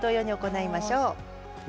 反対側も同様に行いましょう。